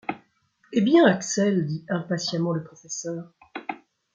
Eh bien, Axel ? dit impatiemment le professeur.